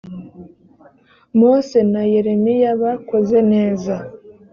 mose na yeremiya bakoze neza